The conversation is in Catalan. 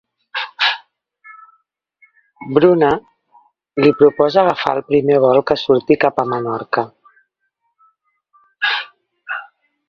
Bruna i li proposa agafar el primer vol que surti cap a Menorca.